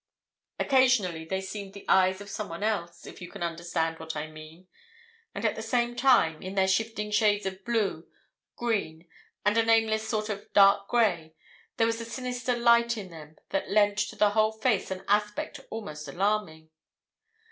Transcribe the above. Occasionally they seemed the eyes of someone else, if you can understand what I mean, and at the same time, in their shifting shades of blue, green, and a nameless sort of dark grey, there was a sinister light in them that lent to the whole face an aspect almost alarming.